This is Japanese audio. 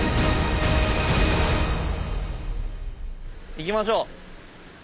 行きましょう。